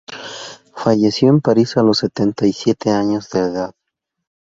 Falleció en París a los setenta y siete años de edad.